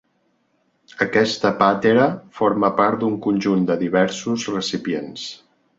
Aquesta pàtera forma part d'un conjunt de diversos recipients.